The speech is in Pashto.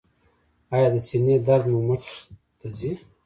ایا د سینې درد مو مټ ته ځي؟